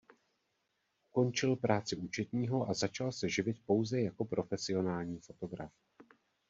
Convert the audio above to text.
Ukončil práci účetního a začal se živit pouze jako profesionální fotograf.